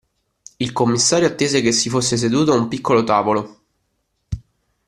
Il commissario attese che si fosse seduto a un piccolo tavolo.